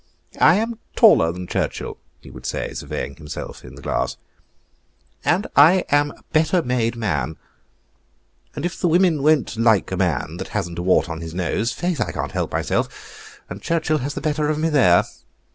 "I am taller than Churchill," he would say, surveying himself in the glass, "and I am a better made man; and if the women won't like a man that hasn't a wart on his nose, faith, I can't help myself, and Churchill has the better of me there."